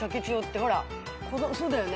ほらそうだよね？